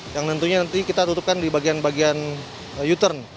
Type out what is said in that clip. yang tentunya nanti kita tutupkan di bagian bagian u turn